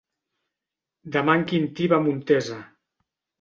Demà en Quintí va a Montesa.